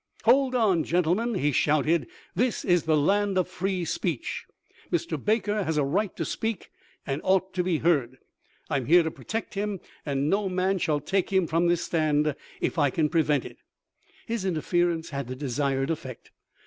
" Hold on, gentlemen," he shouted, " this is the land of free speech. Mr. Baker has a right to speak and ought to be heard. I am here to protect him, and no man shall take him from this stand if I can prevent it." His interfer ence had the desired effect.